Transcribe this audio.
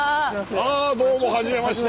あどうもはじめまして。